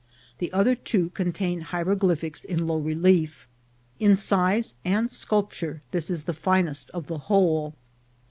The other two contain hieroglyphics in low relief. In size and sculpture this is the finest of the whole.